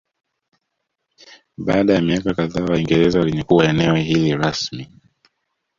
Baada ya miaka kadhaa Waingereza walinyakua eneo hili rasmi